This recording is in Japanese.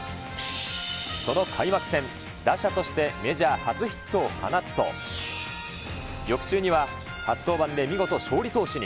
その開幕戦、打者としてメジャー初ヒットを放つと、翌週には初登板で見事、勝利投手に。